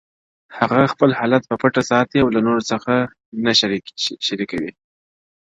هغه خپل حالت په پټه ساتي او له نورو سره څه نه شريکوي,